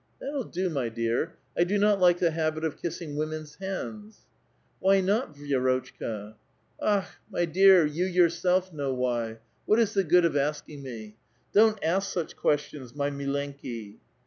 " That'll do, my dear; I do not like the habit of kissing women's hands." '' Why not, Vi6rotchka?" ^^ Akfi! my dear, you yourself know why. What is the good of asking me ? Don't ask such questions, my mllenki